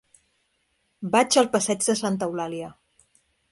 Vaig al passeig de Santa Eulàlia.